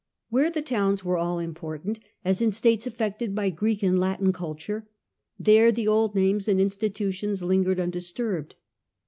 Where the towns were all important, as in states affected by Greek and Latin culture, there the old names and institutions lin gered undisturbed.